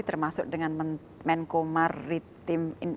termasuk dengan menko maritim